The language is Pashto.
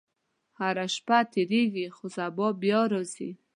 • هره شپه تېرېږي، خو سبا بیا راځي.